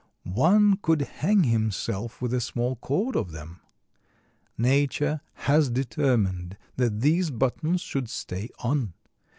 One could hang himself with a small cord of them. Nature has determined that these buttons should stay on.